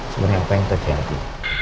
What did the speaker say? sebenernya apa yang terjadi